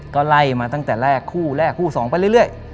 ก็ไล่มาตั้งแต่แรกคู่แรกคู่สองไปเรื่อย